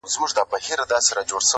نیکه د ژمي په اوږدو شپو کي کیسې کولې٫